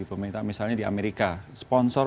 pemerintah misalnya di amerika sponsor